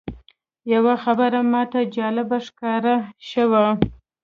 یوه خبره ماته جالبه ښکاره شوه.